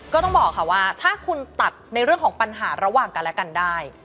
ก็ต้องบอกค่ะว่าถ้าคุณตัดในเรื่องของปัญหาระหว่างกันและกันได้